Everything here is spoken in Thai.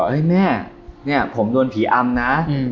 เฮ้ยแม่ผมโดนผีอำนะ